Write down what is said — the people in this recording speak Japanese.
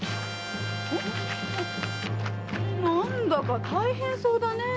何だか大変そうだねえ。